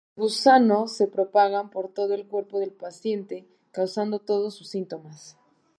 Los gusanos se propagan por todo el cuerpo del paciente causando todos sus síntomas.